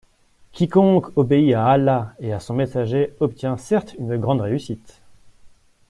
Quiconque obéit à Allah et à Son messager obtient certes une grande réussite.